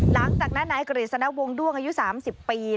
หลังจากนั้นนายกฤษณะวงด้วงอายุ๓๐ปี